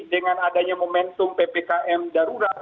dengan adanya momentum ppkm darurat